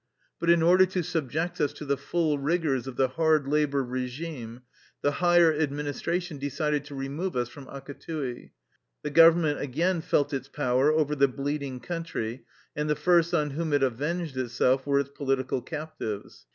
But in order to subject us to the full rigors of the hard labor regime the higher ad ministration decided to remove us from Akatui. The government again felt its power over the bleeding country, and the first on whom it avenged itself were its political captives.